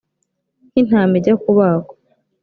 nk intama ijya kubagwa